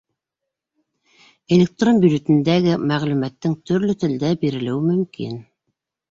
Электрон бюллетендәге мәғлүмәттең төрлө телдә бирелеүе мөмкин.